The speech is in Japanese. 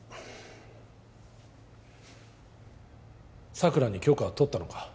佐久良に許可は取ったのか？